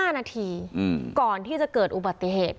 ๕นาทีก่อนที่จะเกิดอุบัติเหตุ